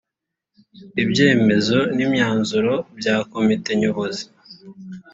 ibyemezo n imyanzuro bya komite nyobozi